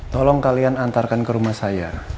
tolong kalian antarkan ke rumah saya